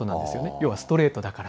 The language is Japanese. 要はストレートだから。